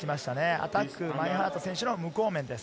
アタック、マインハート選手の無効面です。